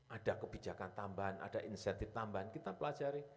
ada kebijakan tambahan ada insentif tambahan kita pelajari